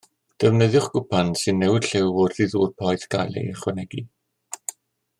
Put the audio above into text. Defnyddiwch gwpan sy'n newid lliw wrth i ddŵr poeth gael ei ychwanegu.